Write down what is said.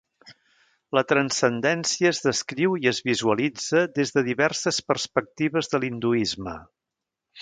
La transcendència es descriu i es visualitza des de diverses perspectives de l'hinduisme.